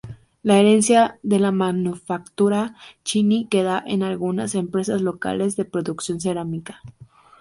La herencia de la manufactura Chini queda en algunas empresas locales de producción cerámica.